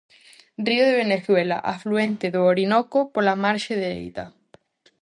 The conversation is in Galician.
Río de Venezuela, afluente do Orinoco pola marxe dereita.